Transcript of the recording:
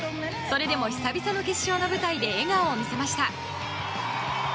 それでも久々の決勝の舞台で笑顔を見せました。